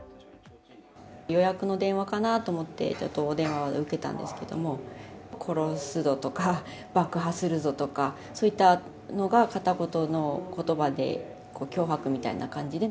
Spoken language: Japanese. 予約の電話かなと思って、ちょっとお電話受けたんですけれども、殺すぞとか、爆破するぞとか、そういったのが片言のことばで脅迫みたいな感じで。